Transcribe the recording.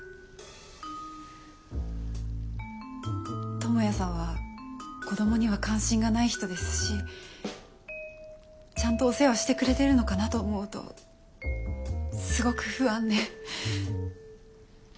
友也さんは子供には関心がない人ですしちゃんとお世話してくれてるのかなと思うとすごく不安で。